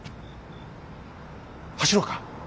走ろうか。